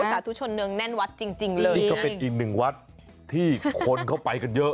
สาธุชนเนืองแน่นวัดจริงจริงเลยนี่ก็เป็นอีกหนึ่งวัดที่คนเข้าไปกันเยอะ